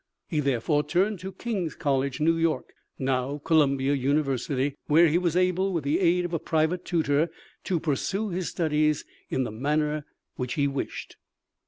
He therefore turned to King's College, New York, now Columbia University, where he was able, with the aid of a private tutor, to pursue his studies in the manner which he wished.